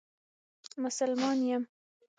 مسلمان یم.